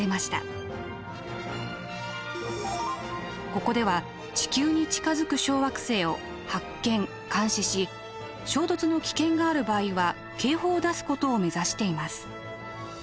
ここでは地球に近づく小惑星を発見・監視し衝突の危険がある場合は警報を出すことを目指しています。